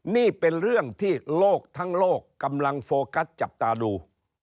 นี่เป็นเรื่องที่โลกทั้งโลกกำลังโฟกัสจับตาดู